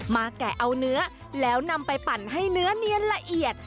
แกะเอาเนื้อแล้วนำไปปั่นให้เนื้อเนียนละเอียด